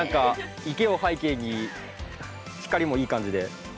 池を背景に光もいい感じで。